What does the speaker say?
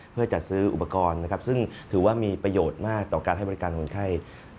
เพื่อจัดซื้ออุปกรณ์นะครับซึ่งถือว่ามีประโยชน์มากต่อการให้บริการคนไข้